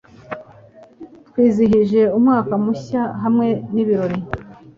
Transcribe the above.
Twizihije umwaka mushya hamwe n'ibirori.